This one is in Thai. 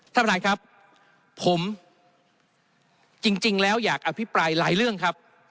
ท่านประธานครับผมจริงแล้วอยากอภิปรายหลายเรื่องครับ